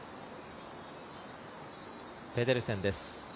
ペデルセンです。